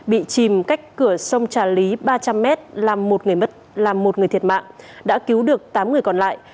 bị chìm cách cửa sông trà lý ba trăm linh m làm một người thiệt mạng đã cứu được tám người còn lại